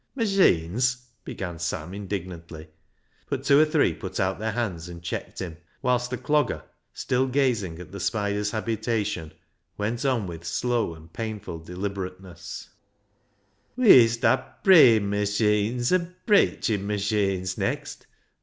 " Machines?" began Sam indignantly, but two or three put out their hands and checked him, whilst the Clogger, still gazing at the spider's habitation, went on with slow and painful deliberateness —" Wee'st ha' prayin' machines an' preichin' machines next.